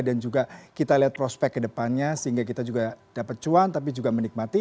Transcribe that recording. dan juga kita lihat prospek kedepannya sehingga kita juga dapat cuan tapi juga menikmati